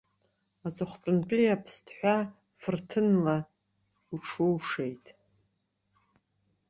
Аҵыхәтәантәи аԥсҭҳәа фырҭынла уҽыушеит.